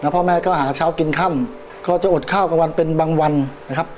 พ่อแม่ก็หาเช้ากินค่ำก็จะอดข้าวกลางวันเป็นบางวันนะครับ